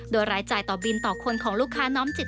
โดยรายจ่ายต่อบินต่อคนของลูกค้าน้อมจิต